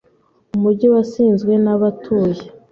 Umujyi wasizwe nabatuye.